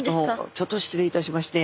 ちょっと失礼いたしまして。